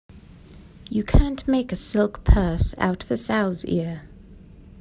You can't make a silk purse out of a sow's ear.